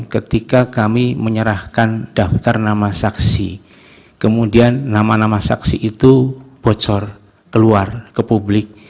ketika kami menyerahkan daftar nama saksi kemudian nama nama saksi itu bocor keluar ke publik